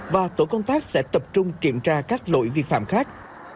và tổ công tác sẽ tập trung kiểm tra các lỗi vi phạm khác